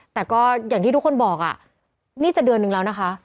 แต่ก็อย่างที่ทุกคนบอกนี่จะเดือนนึงแล้วนะคะ